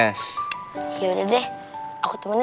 besok mau tes yaudah deh aku temenin ya